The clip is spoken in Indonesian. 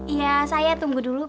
iya saya tunggu dulu